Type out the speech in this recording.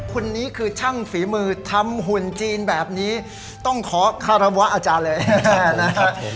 คนนี้คือช่างฝีมือทำหุ่นจีนแบบนี้ต้องขอคารวะอาจารย์เลยนะฮะ